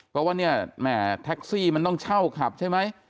เพราะว่าแหมแตคซี่มันต้องเช่าขับใช่ไหม